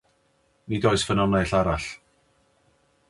Nid oes ffynhonnell arall.